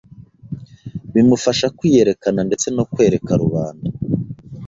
bimufasha kwiyerekana ndetse no kwereka rubanda